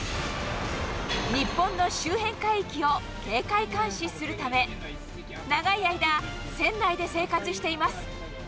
日本の周辺海域を警戒監視するため、長い間、船内で生活しています。